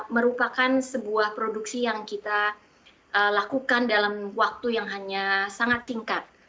merupakan sebuah produksi yang kita lakukan dalam waktu yang hanya sangat tingkat